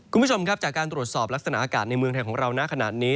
คุณผู้ชมครับจากการตรวจสอบลักษณะอากาศในเมืองไทยของเรานะขนาดนี้